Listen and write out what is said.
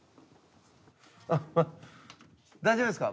大丈夫ですか？